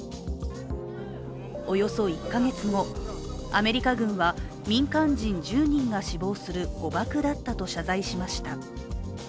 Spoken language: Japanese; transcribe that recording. およそ１か月後、アメリカ軍は民間人１０人が死亡する誤爆だったと謝罪しました。